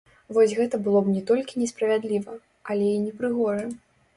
Вось гэта было б не толькі несправядліва, але і непрыгожа.